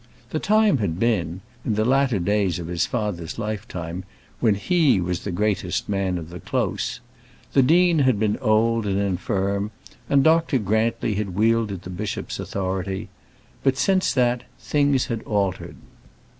The time had been in the latter days of his father's lifetime when he was the greatest man of the close. The dean had been old and infirm, and Dr. Grantly had wielded the bishop's authority. But since that things had altered.